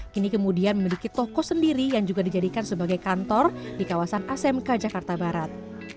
kini kemudian memiliki toko sendiri yang juga dijadikan sebagai kantor di kawasan asmk jakarta barat